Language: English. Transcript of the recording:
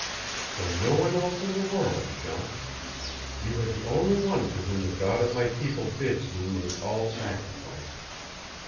"For no one else in the world, Jean. You are the only one to whom the god of my people bids me make all sacrifice."